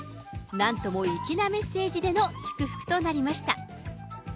なんともいきなメッセージでの祝福となりました。